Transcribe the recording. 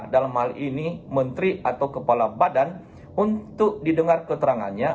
dalam hal ini menteri atau kepala badan untuk didengar keterangannya